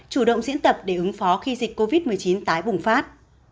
chủ động diễn tập để ứng phó khi dịch covid một mươi chín tái bùng phát